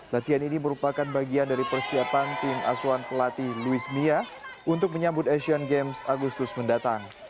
latihan ini merupakan bagian dari persiapan tim asuhan pelatih louis mia untuk menyambut asian games agustus mendatang